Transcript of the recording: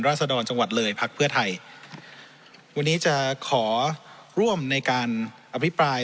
ศดรจังหวัดเลยพักเพื่อไทยวันนี้จะขอร่วมในการอภิปราย